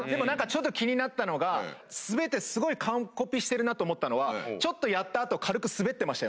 ちょっと気になったのが全てすごい完コピしてるなと思ったのはちょっとやった後。